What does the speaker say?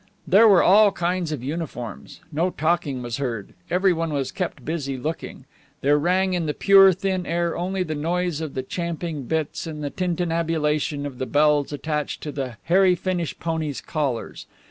There were all kinds of uniforms. No talking was heard. Everyone was kept busy looking. There rang in the pure, thin air only the noise of the champing bits and the tintinnabulation of the bells attached to the hairy Finnish ponies' collars.